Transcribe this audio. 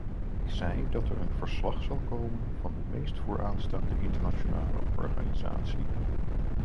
Ik zei dat er een verslag zal komen van de meest vooraanstaande internationale organisatie.